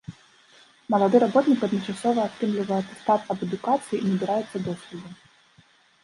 Малады работнік адначасова атрымлівае атэстат аб адукацыі і набіраецца досведу.